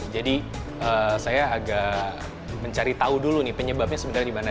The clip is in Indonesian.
jadi saya agak mencari tahu dulu nih penyebabnya sebenarnya dimana